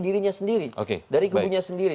dirinya sendiri oke dari kubunya sendiri